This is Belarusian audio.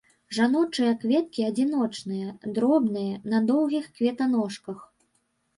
Жаночыя кветкі адзіночныя, дробныя, на доўгіх кветаножках.